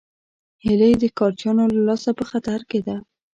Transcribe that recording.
هیلۍ د ښکارچیانو له لاسه په خطر کې ده